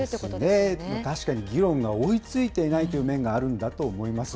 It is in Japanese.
そうですね、確かに議論が追いついていないという面があるんだと思います。